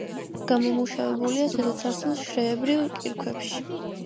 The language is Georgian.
გამომუშავებულია ზედაცარცულ შრეებრივ კირქვებში.